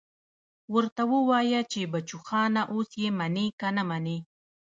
ورته ووايه چې بچوخانه اوس يې منې که نه منې.